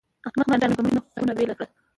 احمد رانه په مړینه خونه بېله کړه.